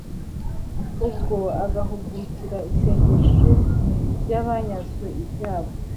ubwo agahugukira isengesho ry’abanyazwe ibyabo